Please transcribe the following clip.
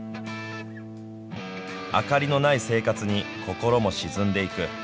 明かりのない生活に、心も沈んでいく。